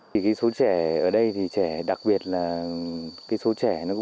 thì cái số trẻ ở đây thì trẻ đặc biệt là cái số trẻ nó cũng